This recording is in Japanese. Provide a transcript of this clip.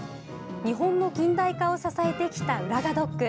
日本の近代化を支えてきた浦賀ドック。